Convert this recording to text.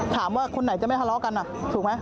คนไหนจะไม่ทะเลาะกันถูกไหม